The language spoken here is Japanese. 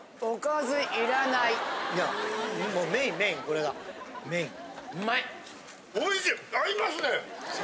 おいしい！